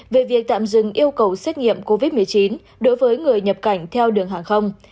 về việc tạm dừng yêu cầu xét nghiệm covid một mươi chín đối với người nhập cảnh theo đường hàng không